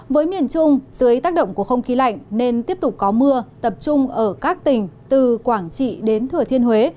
với miền trung dưới tác động của không khí lạnh nên tiếp tục có mưa tập trung ở các tỉnh từ quảng trị đến thừa thiên huế